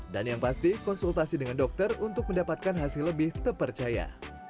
dan yang pasti konsultasi dengan dokter untuk mendapatkan hasil lebih terpercaya